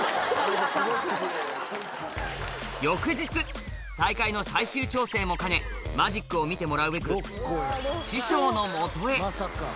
翌日大会の最終調整も兼ねマジックを見てもらうべくおぉ！